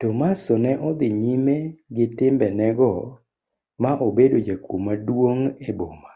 Tomaso ne odhi nyime gi timbe nego ma obedo jakuo maduong' e boma.